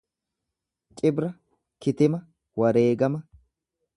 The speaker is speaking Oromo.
Cibra kitima, wareegama.